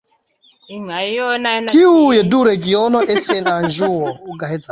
Tiuj du regionoj estis en Anĵuo.